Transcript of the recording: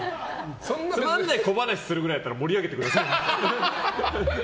詰まんない小話するくらいだったら盛り上げてください。